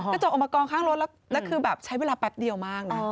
กระจกออกมากองข้างรถแล้วคือแบบใช้เวลาแป๊บเดียวมากนะ